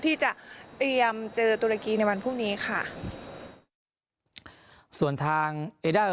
ที่จะเตรียมเจอตุรกีในวันพรุ่งนี้ค่ะส่วนทางเอด้า